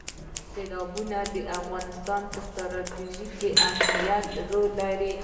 سیلابونه د افغانستان په ستراتیژیک اهمیت کې رول لري.